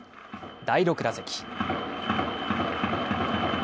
第６打席。